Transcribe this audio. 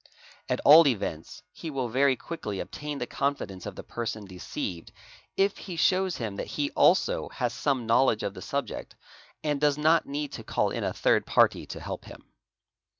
At all events he will very quickly obtain the confidence of the person deceived if he shows him that he also has some knowledge of the subject and does not need to call in a third garty to help him.